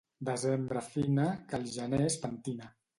Desembre fina, que el gener es pentina.